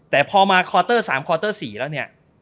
แต่พอมา๓๔คอร์เตอร์แล้วเนี่ย